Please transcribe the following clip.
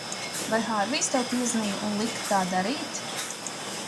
Vai Hārvijs tev piezvanīja un lika tā darīt?